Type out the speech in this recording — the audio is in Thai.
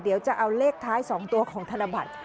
เดี๋ยวจะเอาเลขท้าย๒ตัวของธนบัตร